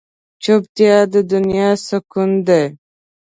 چوپتیا، د دنیا سکون دی.